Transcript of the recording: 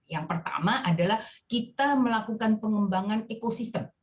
yang pertama adalah kita melakukan pengembangan ekosistem